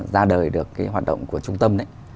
ra đời được cái hoạt động của trung tâm